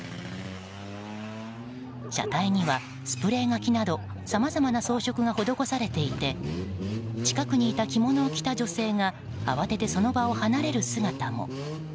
車体にはスプレー書きさまざまな装飾が施されていて近くにいた着物を着た女性が慌ててその場を離れる姿も。